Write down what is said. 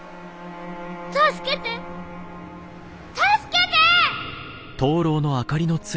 助けて助けて！